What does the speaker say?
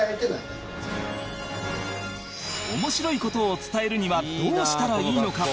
面白い事を伝えるにはどうしたらいいのか？